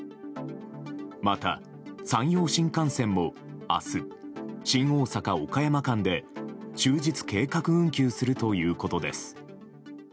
また、山陽新幹線も明日新大阪岡山間で終日計画運休するということです。